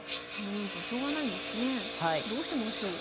７四金しょうがないですねえ。どうしましょう？